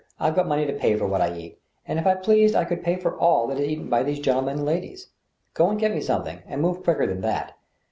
I've got money to pay for what I eat, and if I pleased I could pay for all that is eaten by these gentlemen and ladies. Go and get me something, and move quicker than that.